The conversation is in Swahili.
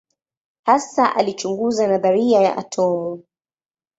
Hasa alichunguza nadharia ya atomu.